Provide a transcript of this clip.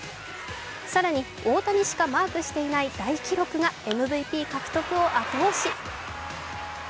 更に大谷しかマークしていない大記録がＭＶＰ獲得を後押し。